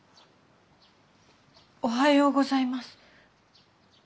おはようございます。